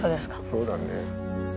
そうだね。